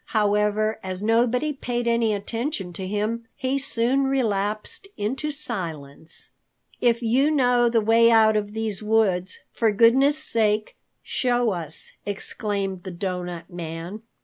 However, as nobody paid any attention to him, he soon relapsed into silence. "If you know the way out of these woods, for goodness' sake show us," exclaimed the Doughnut Man.